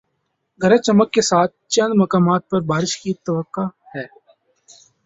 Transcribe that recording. گرج چمک کے ساتھ چند مقامات پر بارش کی توقع ہے